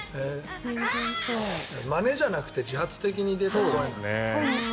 まねじゃなくて自発的に出ているんだ。